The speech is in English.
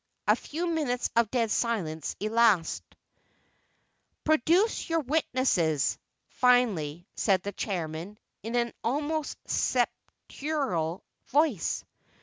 A few minutes of dead silence elapsed. "Produce your witnesses," finally said the Chairman, in an almost sepulchral voice.